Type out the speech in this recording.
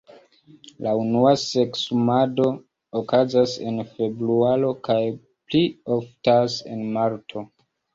La unua seksumado okazas en februaro kaj pli oftas en marto.